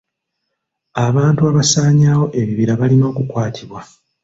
Abantu abasaanyaawo ebibira balina okukwatibwa.